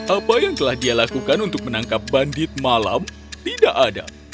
apa yang telah dia lakukan untuk menangkap bandit malam tidak ada